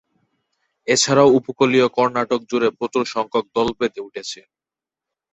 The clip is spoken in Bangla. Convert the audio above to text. এছাড়াও উপকূলীয় কর্ণাটক জুড়ে প্রচুর সংখ্যক দল বেঁধে উঠেছে।